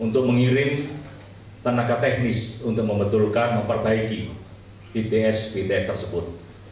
tenaga teknis untuk membetulkan memperbaiki bts bts tersebut